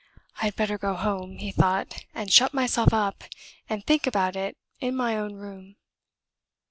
"I'd better go home," he thought, "and shut myself up, and think about it in my own room."